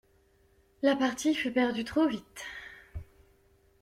La partie fut perdue trop vite.